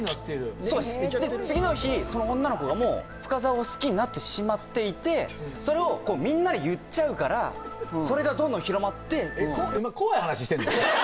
そうですで次の日その女の子がもう深澤を好きになってしまっていてそれをみんなに言っちゃうからそれがどんどん広まって違います